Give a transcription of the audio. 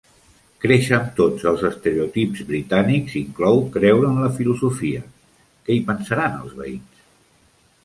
Créixer amb tots els estereotips britànics inclou creure en la filosofia: Què hi pensaran els veïns?